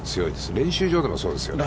練習場でもそうですよ。